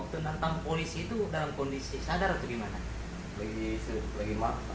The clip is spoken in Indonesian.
tentang polisi itu dalam kondisi sadar atau gimana